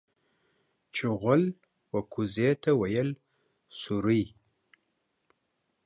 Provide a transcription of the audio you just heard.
چغول و کوزې ته ويل سورۍ.